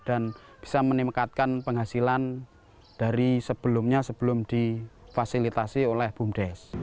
dan bisa meningkatkan penghasilan dari sebelumnya sebelum difasilitasi oleh bumdes